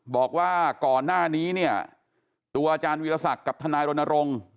บอกว่าก่อนหน้านี้ตัวอาจารย์วิทยาศักดิ์กับทนายโดนโรง